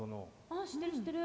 あっ知ってる知ってる。